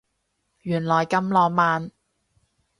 原來咁浪漫